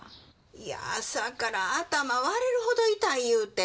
いやぁ朝から頭割れるほど痛い言うて。